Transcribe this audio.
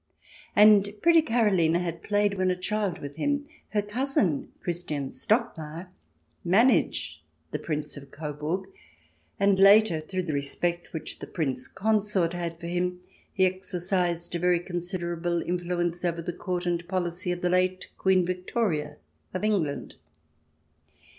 And pretty Karoline had played when a child with him. Her cousin, Christian Stockmar, managed the Prince of Coburg, and later, through the respect which the Prince Consort had for him, he exercised a very considerable influence over the Court and policy of the late Queen Victoria of England.